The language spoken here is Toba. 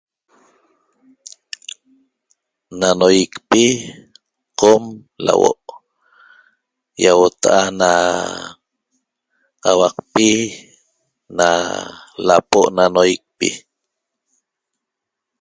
Na noyecpi qom lahuo' iahuota'a na auaqpi na lapo' na noyecpi